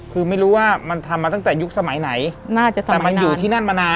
คือไม่รู้ว่ามันทำมาตั้งแต่ยุคสมัยไหนน่าจะทำแต่มันอยู่ที่นั่นมานาน